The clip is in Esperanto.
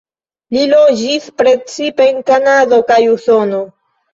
Li loĝis precipe en Kanado kaj Usono.